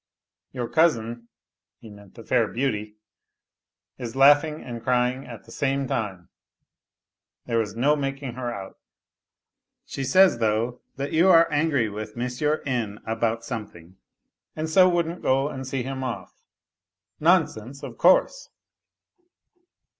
Your cousin " (he meant the fair beauty) 236 A LITTLE HERO " is laughing and crying at the same time; there Is no makir her out. She says, though, that you are angry with N. aboi something and so wouldn't go and see him off. Nonsense, < course